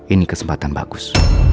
ini kesempatan bagus